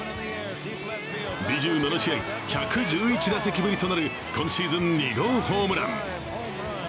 ２７試合・１１１打席ぶりとなる今シーズン２号ホームラン。